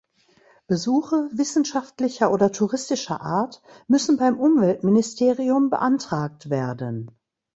Besuche wissenschaftlicher oder touristischer Art müssen beim Umweltministerium beantragt werden.